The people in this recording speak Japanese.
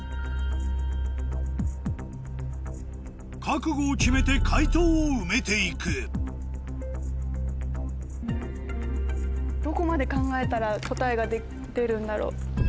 覚悟を決めて解答を埋めて行くどこまで考えたら答えが出るんだろう？